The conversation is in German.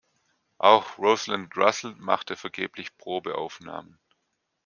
Auch Rosalind Russell machte vergeblich Probeaufnahmen.